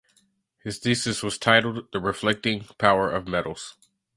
His thesis was titled "The Reflecting Power of Metals".